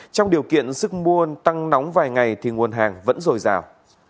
trong điều kiện sức muôn tăng nóng vài ngày nguồn hàng vẫn rồi rào